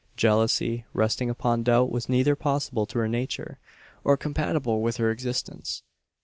Jealousy resting upon doubt was neither possible to her nature, or compatible with her existence.